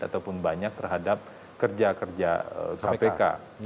ataupun banyak terhadap kerja kerja kpk